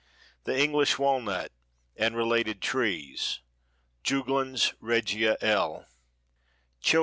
THE ENGLISH WALNUT AND RELATED TREES. (Juglans regia L.)